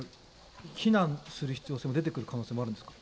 避難する必要性も出てくる可能性あるんですか。